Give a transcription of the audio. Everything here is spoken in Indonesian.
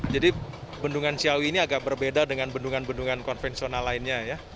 jadi bendungan ciawi ini agak berbeda dengan bendungan bendungan konvensional lainnya ya